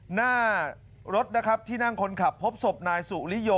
หน้ารถนะครับที่นั่งคนขับพบศพนายสุริโย